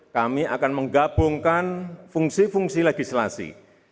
kami akan menggabungkan fungsi fungsi legislasi